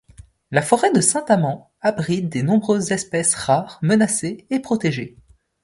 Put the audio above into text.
La forêt de Saint-Amand abrite de nombreuses espèces rares, menacées et protégées.